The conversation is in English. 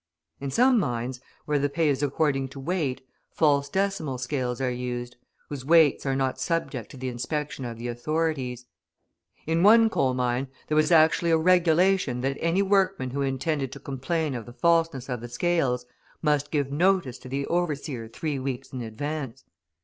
In some mines, where the pay is according to weight, false decimal scales are used, whose weights are not subject to the inspection of the authorities; in one coal mine there was actually a regulation that any workman who intended to complain of the falseness of the scales must give notice to the overseer three weeks in advance!